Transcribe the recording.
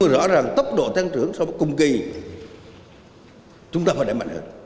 rõ ràng tốc độ tăng trưởng sau cùng kỳ chúng ta phải đẩy mạnh hơn